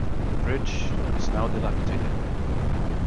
The bridge is now dilapidated.